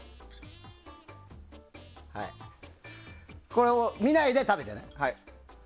これを見ないで食べてね。